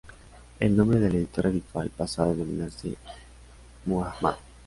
El nombre del editor habitual pasó a denominarse Muhammad.